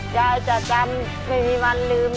จะจำไม่มีวันลืม